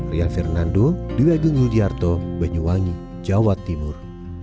rial fernando di wabung ludiarto banyuwangi jawa timur